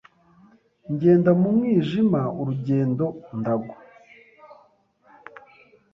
Ngenda mu mwijima, urugendo ndagwa